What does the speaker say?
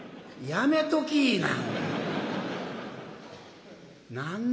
やめときいな」。